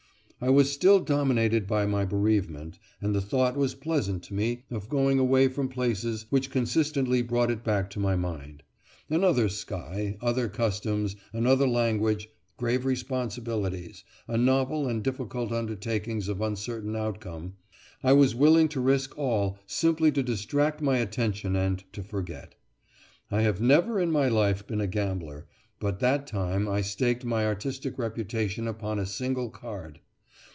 I was still dominated by my bereavement, and the thought was pleasant to me of going away from places which constantly brought it back to my mind. Another sky, other customs, another language, grave responsibilities, a novel and difficult undertaking of uncertain outcome I was willing to risk all simply to distract my attention and to forget. I have never in my life been a gambler, but that time I staked my artistic reputation upon a single card.